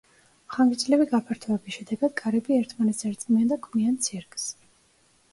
ხანგრძლივი გაფართოების შედეგად კარები ერთმანეთს ერწყმიან და ქმნიან ცირკს.